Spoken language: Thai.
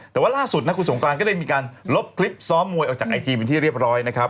แต่ว่าล่าสุดนะคุณสงกรานก็ได้มีการลบคลิปซ้อมมวยออกจากไอจีเป็นที่เรียบร้อยนะครับ